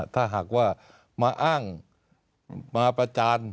ถ้าหากว่ามาอ้างมาประจาน